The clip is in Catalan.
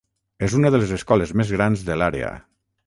És una de les escoles més grans de l'àrea.